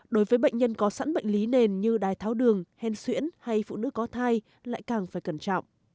đối với bệnh nhân có sẵn bệnh lý nền như đai tháo đường hèn xuyễn hay phụ nữ có thai lại càng phải cẩn trọng